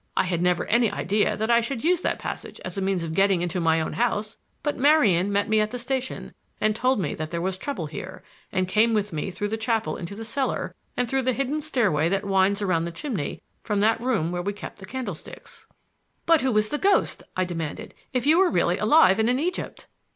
I had never any idea that I should use that passage as a means of getting into my own house, but Marian met me at the station, told me that there was trouble here, and came with me through the chapel into the cellar, and through the hidden stairway that winds around the chimney from that room where we keep the candlesticks." "But who was the ghost?" I demanded, "if you were really alive and in Egypt?"